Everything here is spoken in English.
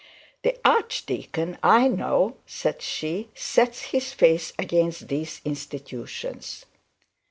'The archdeacon, I know,' said she, 'sets his face against these institutions.'